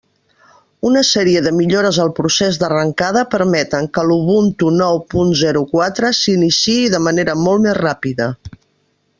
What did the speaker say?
Una sèrie de millores al procés d'arrencada permeten que l'Ubuntu nou punt zero quatre s'iniciï de manera molt més ràpida.